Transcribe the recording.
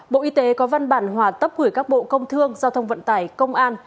bộ y tế có văn bản hòa tấp gửi các bộ công thương giao thông vận tải công an